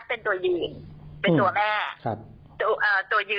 แต่คนที่เข้ามาจะต้อง